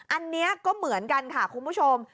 อันนี้ก็เหมือนกันค่ะคุณผู้ชม